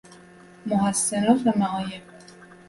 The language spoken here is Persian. محسنات و معایب